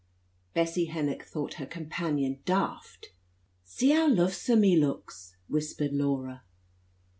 Bessie Hennock thought her companion daft. "See how luvesome he luks!" whispered Laura.